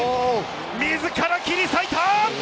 自ら切り裂いた！